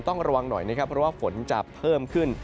ต้องระวังหน่อยนะครับเพราะว่าฝนจะเพิ่มขึ้น